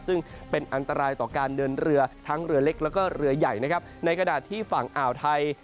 ซึ่งเป็นอันตรายต่อการเดินเรือทั้งเรือเล็กแล้วก็เรือใหญ่นะครับในกระดาษที่ฝั่งอ่าวไทย